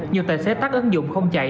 nhiều tài xế tắt ứng dụng không chạy